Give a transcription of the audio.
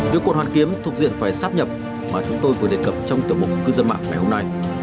điều quận hoàn kiếm thuộc diện phải xác nhập mà chúng tôi vừa đề cập trong tiểu mục cứ dân mạng ngày hôm nay